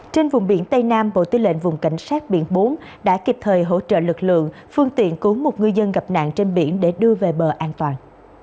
trên vùng biển tây nam bộ tư lệnh vùng cảnh sát biển bốn đã kịp thời hỗ trợ lực lượng phương tiện cứu một ngư dân gặp nạn trên biển để đưa về bờ an toàn